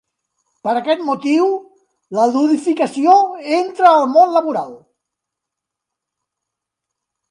Per aquest motiu la ludificació entra al món laboral.